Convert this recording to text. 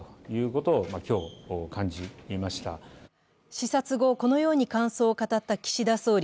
視察後このように感想を語った岸田総理。